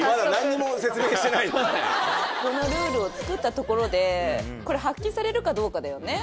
このルールを作ったところでこれ発揮されるかどうかだよね。